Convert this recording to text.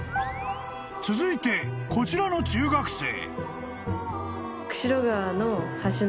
［続いてこちらの中学生］